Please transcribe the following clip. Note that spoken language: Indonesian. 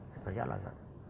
saya kasih alasan